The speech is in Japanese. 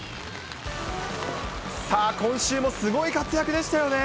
さあ、今週も、すごい活躍でしたよ。